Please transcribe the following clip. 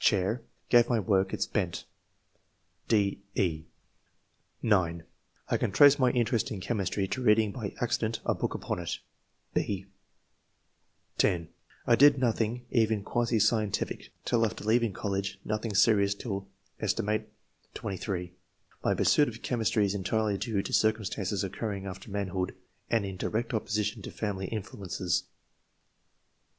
chair, gave my work its bent " (o?, e) (9) " I can trace my interest in chemistry to reading by accident a book upon it." (6) (10) "I did nothing, even ^wosi scientific, till after leaving college; nothing serious till aet. 23. My pursuit of chemistry is entirely due to circumstances occurring after manhood, and in direct opposition to family influences."